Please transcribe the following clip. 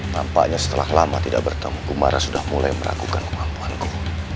nampaknya setelah lama tidak bertemu kumara sudah mulai meragukan kemampuanku